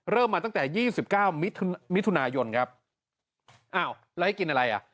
เริ่มมาตั้งแต่๒๙มิถุนายนครับอ้าวแล้วให้กินอะไรอะ